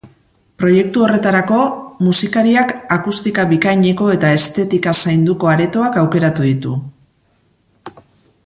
Proiektu horretarako, musikariak akustika bikaineko eta estetika zainduko aretoak aukeratu ditu.